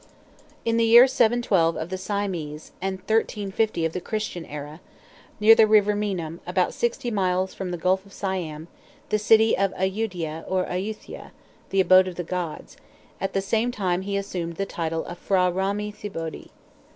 In the year 712 of the Siamese, and 1350 of the Christian era, Phya Othong founded, near the river Meinam, about sixty miles from the Gulf of Siam, the city of Ayudia or Ayuthia ("the Abode of the Gods"); at the same time he assumed the title of P'hra Rama Thibodi.